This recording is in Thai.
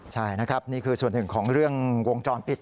ใช่นะครับนี่คือส่วนหนึ่งของเรื่องวงจรปิด